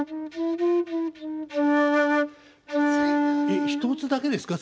えっ１つだけですか？